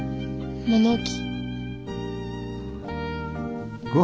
物置。